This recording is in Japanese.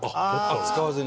使わずに？